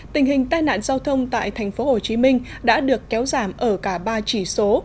tình hình tai nạn giao thông tại tp hcm đã được kéo giảm ở cả ba chỉ số